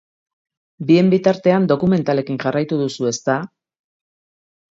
Bien bitartean dokumentalekin jarraitu duzu, ezta?